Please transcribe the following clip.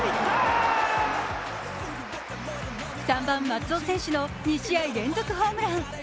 ３番・松尾選手の２試合連続ホームラン。